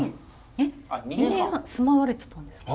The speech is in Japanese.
えっ２年半住まわれてたんですか？